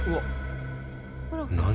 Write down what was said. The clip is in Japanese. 何？